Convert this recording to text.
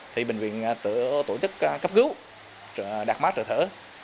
thì bệnh viện tổ chức cấp cứu đạt mát trợ thở